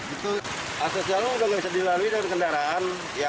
asal asal sudah tidak bisa dilalui dengan kendaraan